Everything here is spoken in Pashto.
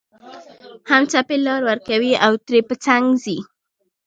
هم څپې لار ورکوي او ترې په څنګ ځي